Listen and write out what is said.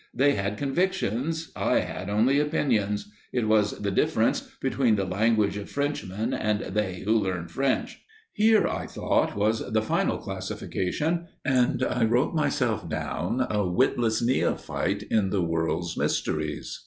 They had convictions, I had only opinions; it was the difference between the language of Frenchmen and they who learn French. Here, I thought, was the final classification, and I wrote myself down a witless neophyte in the world's mysteries.